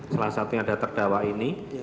salah satunya ada terdakwa ini